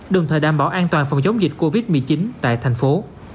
đồng thời đảm bảo an toàn phòng chống dịch covid một mươi chín tại thành phố